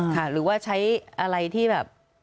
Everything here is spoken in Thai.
หรือว่าใช้อะไรที่แบบ